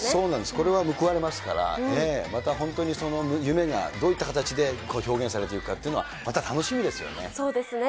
これは報われますから、また本当にその夢がどういった形で表現されていくかっていうのは、そうですね。